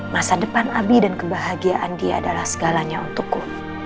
masa depan abi dan kebahagiaan dia adalah segalanya untukku